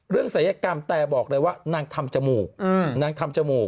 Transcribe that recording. เรื่องศัยกรรมแต่บอกเลยว่านางทำจมูก